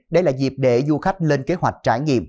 đây là dịp để du khách lên kế hoạch trải nghiệm